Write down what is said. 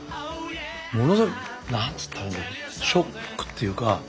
ものすごいなんつったらいいんだろうショックっていうか。